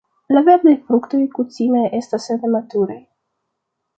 La verdaj fruktoj kutime estas nematuraj.